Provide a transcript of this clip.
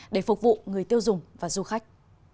để phục vụ người tiêu dùng và du khách